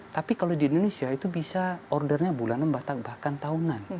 tapi kalau di indonesia itu bisa ordernya bulanan bahkan tahunan